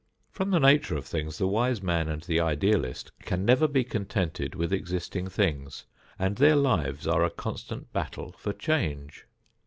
From the nature of things the wise man and the idealist can never be contented with existing things, and their lives are a constant battle for change.